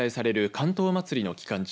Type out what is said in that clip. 竿燈まつりの期間中